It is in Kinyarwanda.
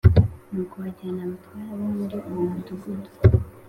Nuko ajyana abatware bo muri uwo mudugudu